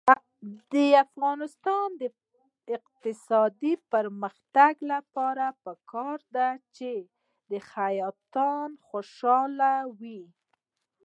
د افغانستان د اقتصادي پرمختګ لپاره پکار ده چې خیاط خوشحاله وي.